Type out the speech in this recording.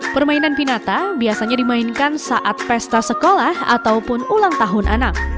permainan pinata biasanya dimainkan saat pesta sekolah ataupun ulang tahun anak